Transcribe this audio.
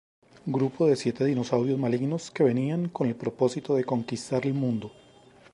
Grupo de siete dinosaurios malignos que venían con el propósito de conquistar el mundo.